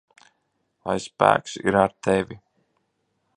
Lai spēks ir ar tevi!